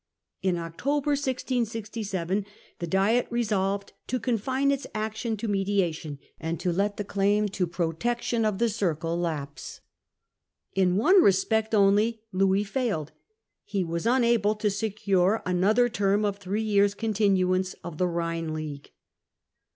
In October 1667 the Diet resolved to confine its action to mediation, and to let the claim to protection of the c circle ' lapse. In one respect only Louis failed. He was unable to secure another term of three years' continuance of the Rhine League.